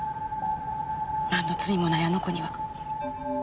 なんの罪もないあの子には。